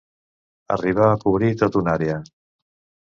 Arribar a cobrir tota una àrea.